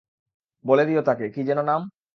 বলে দিও তাঁকে, কি যেন নাম?